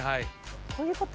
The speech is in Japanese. こういうこと？